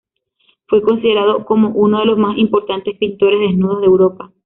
Fue considerado como uno de los más importante pintores de desnudos de Europa.